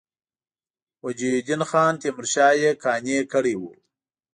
وجیه الدین خان تیمورشاه یې قانع کړی وو.